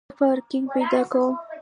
زه پارکینګ پیدا کوم